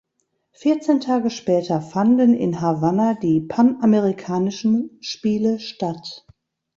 Vierzehn Tage später fanden in Havanna die Panamerikanischen Spiele statt.